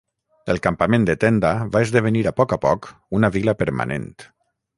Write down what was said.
El campament de tenda va esdevenir a poc a poc una vila permanent.